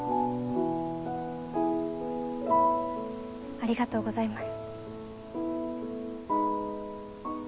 ありがとうございます。